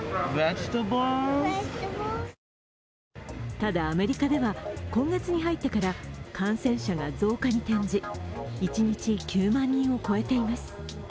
ただ、アメリカでは今月に入ってから感染者が増加に転じ、一日９万人を超えています。